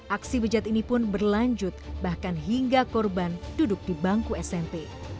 aksi bejat ini pun berlanjut bahkan hingga korban duduk di bangku smp